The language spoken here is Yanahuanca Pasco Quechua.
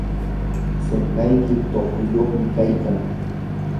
sinqayki tuqruyuqmi kaykan.